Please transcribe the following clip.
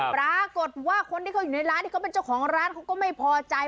ปรากฏว่าคนที่เขาอยู่ในร้านที่เขาเป็นเจ้าของร้านเขาก็ไม่พอใจ